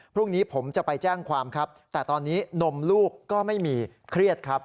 พรุ่งนี้ผมจะไปแจ้งความครับแต่ตอนนี้นมลูกก็ไม่มีเครียดครับ